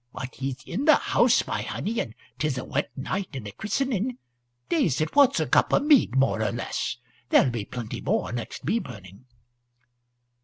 "But he's in the house, my honey, and 'tis a wet night, and a christening. Daze it, what's a cup of mead more or less? There'll be plenty more next bee burning."